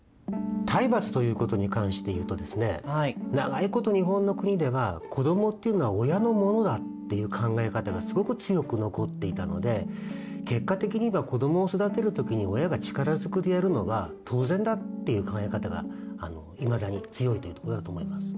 体罰ということに関していうとですね長いこと日本の国では子どもっていうのは親のものだっていう考え方がすごく強く残っていたので結果的には子どもを育てる時に親が力ずくでやるのは当然だっていう考え方がいまだに強いというとこだと思います。